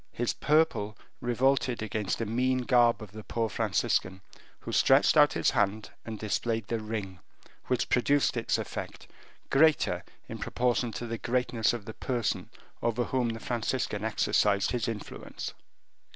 His purple revolted against the mean garb of the poor Franciscan, who stretched out his hand and displayed the ring, which produced its effect, greater in proportion to the greatness of the person over whom the Franciscan exercised his influence.